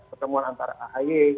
pertemuan antara ahy